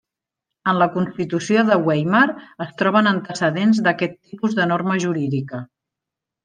En la Constitució de Weimar es troben antecedents d'aquest tipus de norma jurídica.